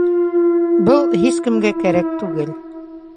Был һис кемгә кәрәк түгел